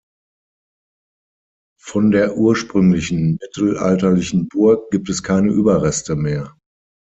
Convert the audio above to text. Von der ursprünglichen mittelalterlichen Burg gibt es keine Überreste mehr.